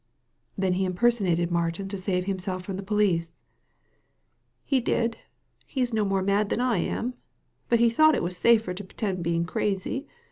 ''Then he impersonated Martin to save himself from the police ?" "He did; he's no more mad than I am; but he thought it was safer to pretend being crazy.